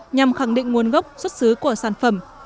nhằm khẳng định nguồn gốc xuất xứ của sản phẩm